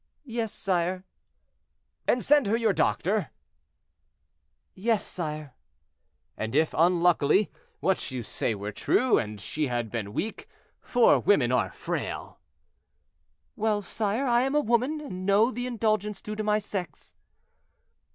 "Yes, sire." "And send her your doctor?" "Yes, sire." "And if, unluckily, what you say were true, and she had been weak, for women are frail—" "Well, sire, I am a woman, and know the indulgence due to my sex."